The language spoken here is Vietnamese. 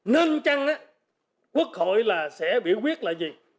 nên chăng quốc hội sẽ biểu quyết là gì